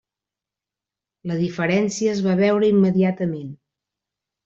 La diferència es va veure immediatament.